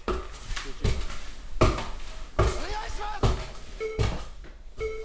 ・集中お願いします！